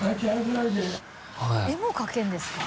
絵も描けるんですか？